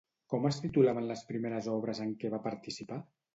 Com es titulaven les primeres obres en què va participar?